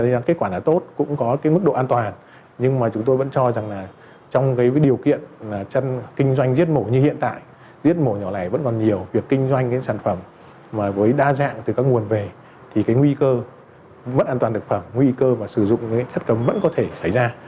bất an toàn thực phẩm nguy cơ và sử dụng những chất cấm vẫn có thể xảy ra